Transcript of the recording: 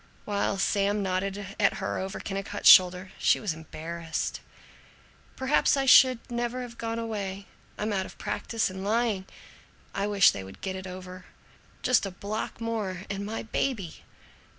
While Sam nodded at her over Kennicott's shoulder, she was embarrassed. "Perhaps I should never have gone away. I'm out of practise in lying. I wish they would get it over! Just a block more and my baby!"